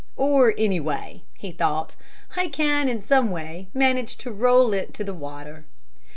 "Or anyway," he thought, "I can in some way manage to roll it to the water."